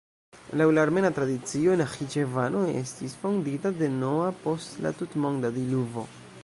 Laŭ la armena tradicio, Naĥiĉevano estis fondita de Noa post la tutmonda diluvo.